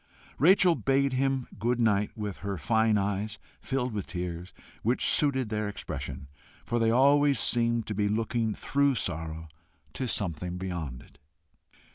Rachel bade him good night with her fine eyes filled with tears, which suited their expression, for they always seemed to be looking through sorrow to something beyond it.